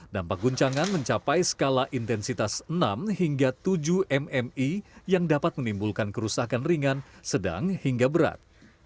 dampak guncangan mencapai skala intensitas enam hingga tujuh mmi yang dapat menimbulkan kerusakan ringan sedang hingga berat